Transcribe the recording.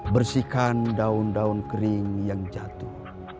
bersihkan daun daun kering yang jatuh